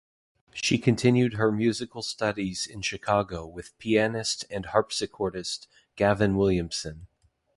She continued her musical studies in Chicago with pianist and harpsichordist Gavin Williamson.